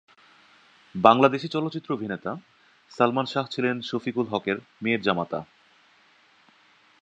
বাংলাদেশী চলচ্চিত্র অভিনেতা সালমান শাহ ছিলেন শফিক উল হকের মেয়ের জামাতা।